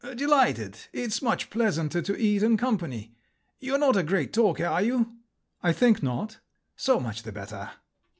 "Delighted, it's much pleasanter to eat in company. You're not a great talker, are you?" "I think not." "So much the better."